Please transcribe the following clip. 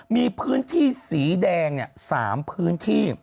มีพื้นที่สีแดง๓พื้นที่